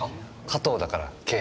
加藤だからＫ。